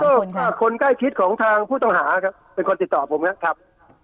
ก็คนใกล้ชิดของทางผู้ต้องหาครับเป็นคนติดต่อผมนะครับ